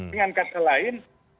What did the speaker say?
dengan kata lain